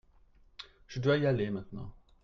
Je dois y aller maintenant.